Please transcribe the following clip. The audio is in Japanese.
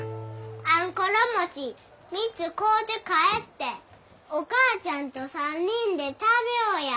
あんころ餅３つ買うて帰ってお母ちゃんと３人で食びょうや。